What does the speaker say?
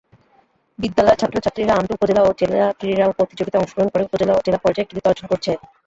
বিদ্যালয়ের ছাত্র-ছাত্রীরা আন্তঃ উপজেলা ও জেলা ক্রীড়া প্রতিযোগীতায় অংশগ্রহণ করে উপজেলা ও জেলা পর্যায়ে কৃতিত্ব অর্জন করছে।